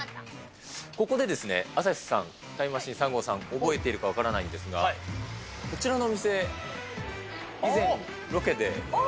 ここで朝日さん、タイムマシーン３号さん、覚えているか分からないんですが、こちらのお店、以前、ロケで。